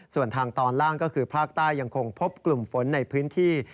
ส่วนทางตอนล่างก็คือภาคใต้ยังคงพบกลุ่มฝนในพื้นที่